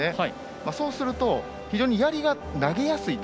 そうすると、非常にやりが投げやすいと。